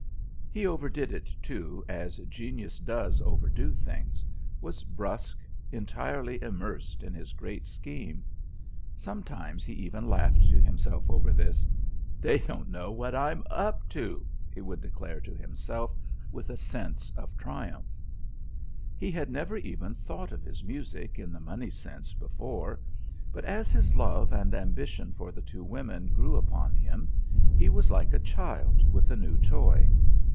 He overdid it, too, as genius does overdo things; was brusque, entirely immersed in his great scheme. Sometimes he even laughed to himself over this. "They don't know what I'm up to!" he would declare to himself, with a sense of triumph. He had never even thought of his music in the money sense before, but as his love and ambition for the two women grew upon him, he was like a child with a new toy.